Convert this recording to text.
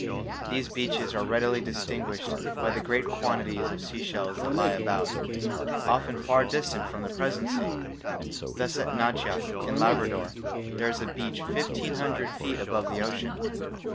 These beaches are readily distinguished by the great quantities of sea shells that lie about, often far distant from the present sea. Thus at Nachvak in Labrador there is a beach fifteen hundred feet above the ocean.